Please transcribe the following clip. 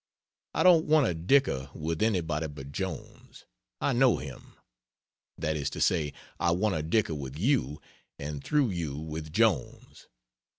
I don't want to dicker with anybody but Jones. I know him; that is to say, I want to dicker with you, and through you with Jones.